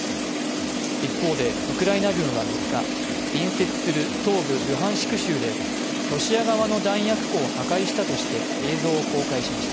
一方でウクライナ軍は３日、隣接する東部ルハンシク州でロシア側の弾薬庫を破壊したとして映像を公開しました。